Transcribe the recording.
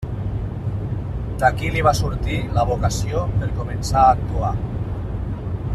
D'aquí li va sortir la vocació per començar a actuar.